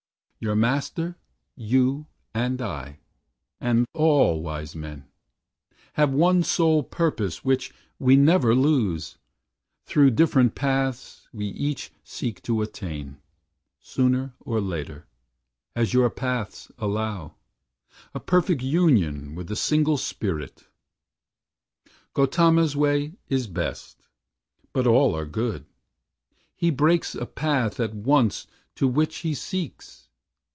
"Your Master, you and I, and all wise men, Have one sole purpose which we never lose: Through different paths we each seek to attain, Sooner or later, as your paths allow, A perfect union with the single Spirit. Gautama's way is best, but all are good. He breaks a path at once to what he seeks.